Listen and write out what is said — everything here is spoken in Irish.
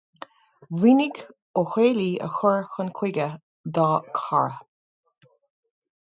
Mhínigh Ó Caollaí a chur chuige dá chara.